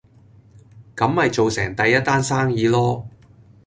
咁咪做成第一單生意囉